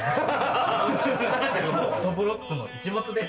「どぶろっくの一物」です。